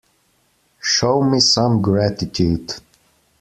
Show me some gratitude.